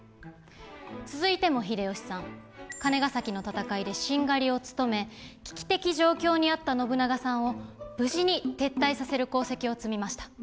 続いても秀吉さん金ヶ崎の戦いで殿を務め危機的状況にあった信長さんを無事に撤退させる功績を積みました。